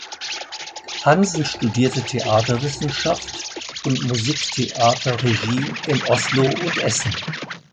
Hansen studierte Theaterwissenschaft und Musiktheaterregie in Oslo und Essen.